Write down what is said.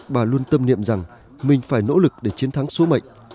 bà luôn tâm niệm rằng mình phải nỗ lực để chiến thắng số mệnh